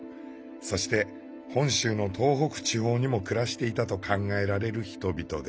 そして本州の東北地方にも暮らしていたと考えられる人々です。